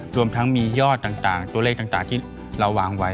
รวมทั้งมียอดต่างตัวเลขต่างที่เราวางไว้